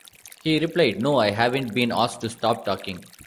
He replied: No, I haven't been asked to stop talking.